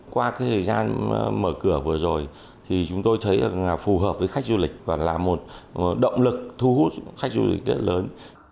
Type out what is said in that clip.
qua cái thời gian mở cửa vừa rồi thì chúng tôi thấy là phù hợp với khách du lịch và là một động lực thu hút khách du lịch rất lớn